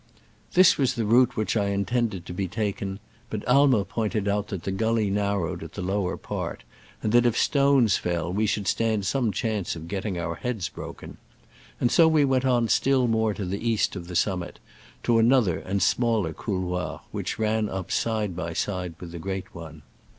This was the route which 1 intended to be taken, but Aimer pointed out that the gully narrowed at the lower part, and that if stones fell we should stand some chance of getting our heads broken ; and so we went on still more to the east of the summit, to another and smaller couloir which ran up side by side with the great one.